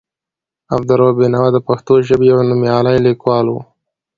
عبدالرؤف بېنوا د پښتو ژبې یو نومیالی لیکوال و.